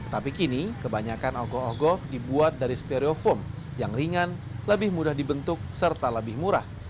tapi kini kebanyakan ogoh ogoh dibuat dari stereofoam yang ringan lebih mudah dibentuk serta lebih murah